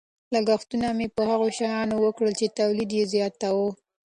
لګښتونه مې په هغو شیانو وکړل چې تولید یې زیاتاوه.